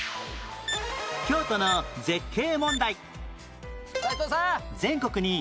京都の絶景問題